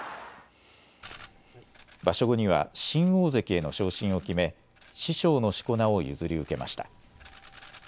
場所後には新大関への昇進を決め師匠のしこ名を譲り受けました。